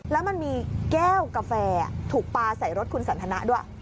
แล้วมันมีแก้วกาแฟถูกปลาใส่รถคุณสันทนะด้วย